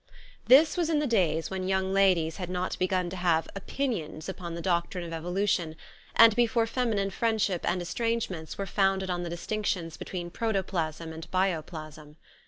This was in the days when young ladies had not begun to have " opinions " upon the doctrine of evo lution, and before feminine friendship and estrange ments were founded on the distinctions between protoplasm and bioplasm.